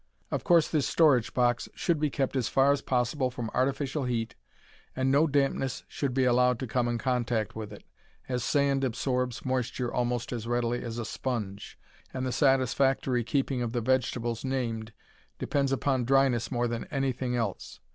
Of course this storage box should be kept as far as possible from artificial heat, and no dampness should be allowed to come in contact with it, as sand absorbs moisture almost as readily as a sponge, and the satisfactory keeping of the vegetables named depends upon dryness more than anything else.